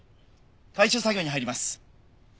回収作業に入ります。